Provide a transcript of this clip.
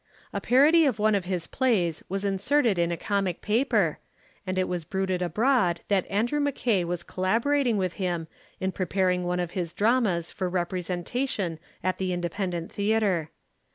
A parody of one of his plays was inserted in a comic paper, and it was bruited abroad that Andrew Mackay was collaborating with him in preparing one of his dramas for representation at the Independent Theatre.